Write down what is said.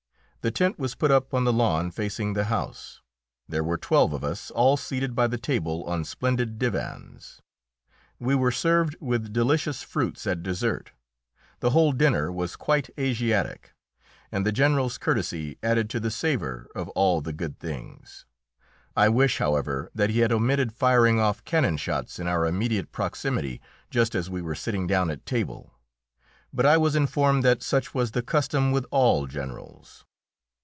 The tent was put up on the lawn facing the house. There were twelve of us, all seated by the table on splendid divans. We were served with delicious fruits at dessert. The whole dinner was quite Asiatic, and the General's courtesy added to the savour of all the good things. I wish, however, that he had omitted firing off cannon shots in our immediate proximity just as we were sitting down at table, but I was informed that such was the custom with all generals.